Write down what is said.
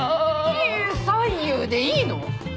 えっ「才夕」でいいの？